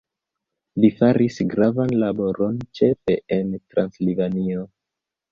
Li faris gravan laboron ĉefe en Transilvanio.